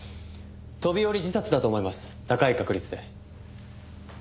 飛び降り自殺だと思います高い確率で。